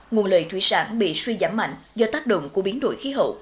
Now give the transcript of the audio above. nguồn lợi thủy sản bị suy giảm mạnh do tác động của biến đổi khí hậu